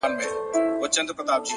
د خاموش پارک فضا د ذهن سرعت کموي.